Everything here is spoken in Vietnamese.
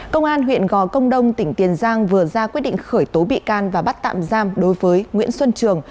công an huyện gò công đông tỉnh tiền giang vừa ra quyết định khởi tố bị can và bắt tạm giam đối với nguyễn xuân trường